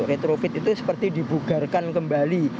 retrofit itu seperti dibugarkan kembali